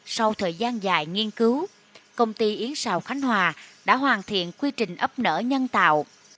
sau thời gian dài nghiên cứu công ty yến xào khánh hòa đã hoàn thiện quy trình ấp nở nhân tạo